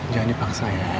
jangan dipaksa ya